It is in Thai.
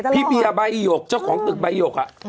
พี่เบียร์ใบหยกเจ้าของตึกใบหยก